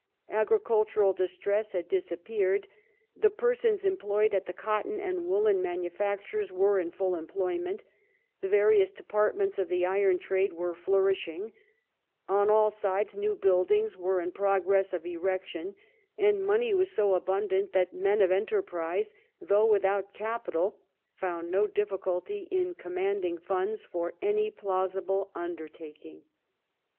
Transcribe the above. Agricultural distress had disappeared ; the persons employed at the cotton and woollen manufactures were in full employment ; the various departments of the iron trade were flourishing ; on all sides new buildings were in progress of erection, and money was so abundant that men of enterprise, though without capital, found no difficulty in commanding funds for any plausible undertaking."